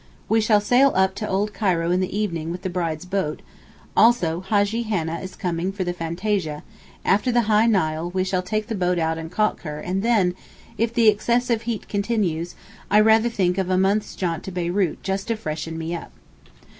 We shall sail up to old Cairo in the evening with the Bride's boat; also Hajjee Hannah is coming for the fantasia; after the high Nile we shall take the boat out and caulk her and then, if the excessive heat continues, I rather think of a month's jaunt to Beyrout just to freshen me up.